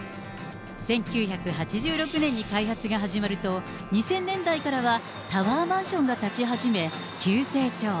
１９８６年に開発が始まると、２０００年代からは、タワーマンションが建ち始め、急成長。